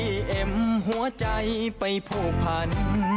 ถ้าไม่ได้ยิ้มหัวใจไปโผพัน